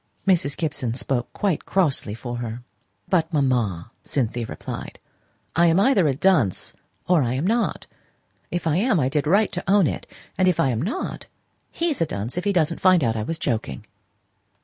Mrs. Gibson spoke quite crossly for her. "But, mamma," Cynthia replied, "I am either a dunce, or I am not. If I am, I did right to own it; if I am not, he's a dunce if he doesn't find out I was joking."